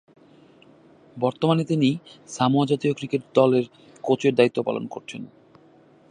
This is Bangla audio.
বর্তমানে তিনি সামোয়া জাতীয় ক্রিকেট দলের কোচের দায়িত্ব পালন করছেন।